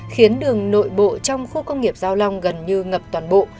khiến đường nội bộ trong khu công nghiệp giao long gần như ngập toàn bộ